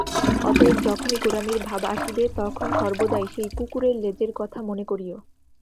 অতএব যখনই গোঁড়ামির ভাব আসিবে, তখন সর্বদাই সেই কুকুরের লেজের কথা মনে করিও।